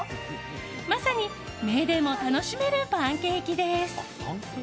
まさに目でも楽しめるパンケーキです。